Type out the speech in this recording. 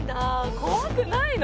怖くないの？